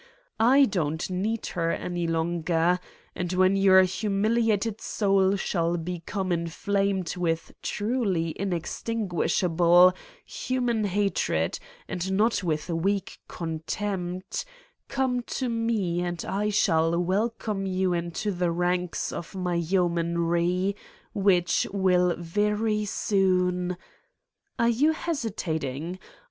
I don't need her any longer. And when your humiliated soul shall become inflamed with truly inextin guishable, human hatred and not with weak con tempt, come to me and I shall welcome you into the ranks of my yeomanry, which will very soon. ... Are you hesitating?